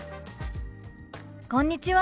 「こんにちは。